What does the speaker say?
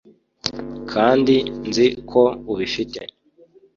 kandi nzi ko ubifite